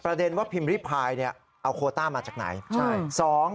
ประเด็นว่าพิมพ์ริพายเอาโคต้ามาจากไหน